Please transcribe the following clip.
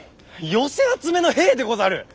寄せ集めの兵でござる！